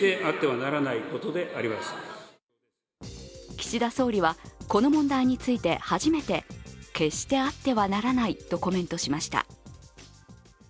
岸田総理は、この問題について初めて決してあってはならないとコメントしました。